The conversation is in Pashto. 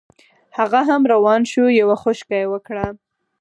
هغه هم روان شو یوه خوشکه یې وکړه.